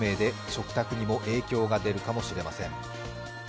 食卓にも影響が出るかもしれません。